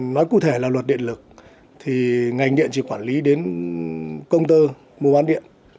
nói cụ thể là luật điện lực thì ngành điện chỉ quản lý đến công tơ mua bán điện